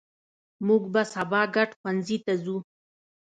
مونږ به سبا ګډ ښوونځي ته ځو